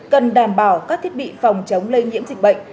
cần đảm bảo các thiết bị phòng chống lây nhiễm dịch bệnh